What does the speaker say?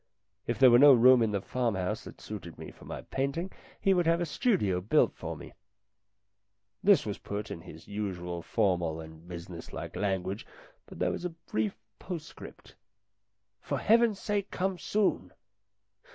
If there were no room in the farmhouse that suited me for my painting he would have a studio built for me. This was put in his usual formal and business like language, but there was a brief postscript "For Heaven's sake come soon